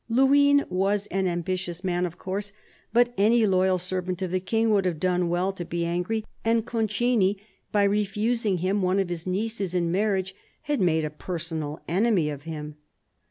Luynes was an ambitious man, of course ; but any loyal servant of the King would have done well to be angry, and Concini, by refusing him one of his nieces in marriage, had made a personal enemy of him.